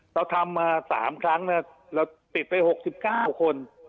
เราทำมา๓ครั้งเราติดไป๖๙คน